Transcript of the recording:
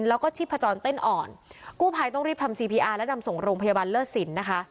แล้วก็ชีพจรเต้นอ่อนกู้ภัยต้องรีบทำซีพีอาร์และนำส่งโรงพยาบาลเลิศสินนะคะ